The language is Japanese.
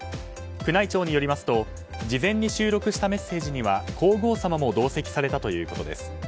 宮内庁によりますと事前に収録したメッセージには皇后さまも同席されたということです。